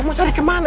ma mau cari kemana